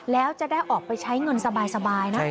แล้วจะได้ออกไปใช้เงินสบายนะ